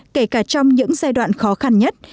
kể cả trong những giai đoạn khó khăn nhất